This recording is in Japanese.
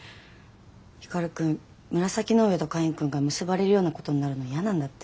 光くん紫の上とカインくんが結ばれるようなことになるのイヤなんだって。